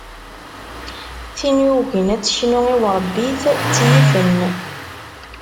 Tin yugin ad teknu i urebbit tt-yifen.